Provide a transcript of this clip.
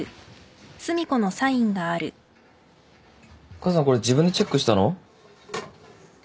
母さんこれ自分でチェックしたの？